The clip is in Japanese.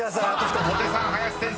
小手さん林先生